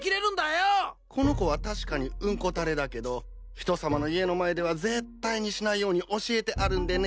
この子は確かにウンコたれだけど人様の家の前では絶対にしないように教えてあるんでね。